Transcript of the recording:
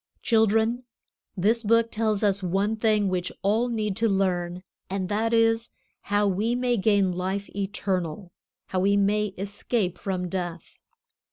Children, this Book tells us one thing which all need to learn, and that is, how we may gain life eternal, how we may escape from death.